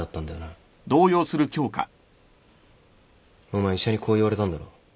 お前医者にこう言われたんだろ？